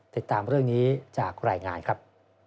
ติดตามเรื่องนี้จากรายงานครับ